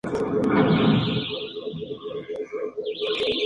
Algunos lo consideran una variedad que no es adecuada para cultivar en climas fríos.